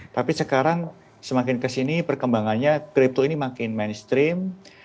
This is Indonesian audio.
tapi sekarang semakin ke sini perkembangannya kripto ini makin mainstream